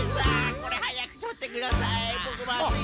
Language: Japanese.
これはやくとってください。